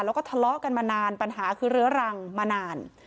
แล้วก็ทะเลาะกันมานานปัญหาคือเรื้อรังมานาน